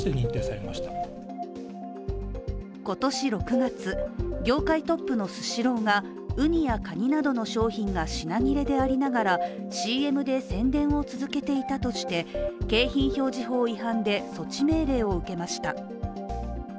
今年６月、業界トップのスシローがうにやかになどの商品が品切れでありながらＣＭで宣伝を続けていたとして景品表示法違反で措置命令を受けました。